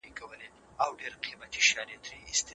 فکري ثبات به تر سياسي ثبات مخکې راسي.